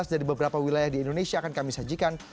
dari beberapa wilayah di indonesia akan kami sajikan